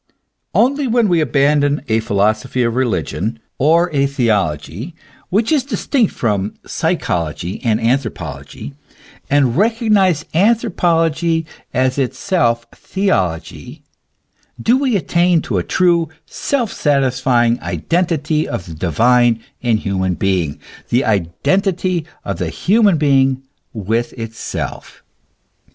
Only when we abandon a philosophy of religion, or a theology, which is distinct from psychology and anthropology, and reco gnise anthropology as itself theology, do we attain to a true, self satisfy ing identity of the divine and human being, the SPECULATIVE DOCTKINE OF GOD. 229 identity of the human being with itself.